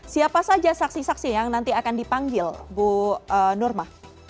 siapa saja saksi saksi yang nanti akan dipanggil bu nurma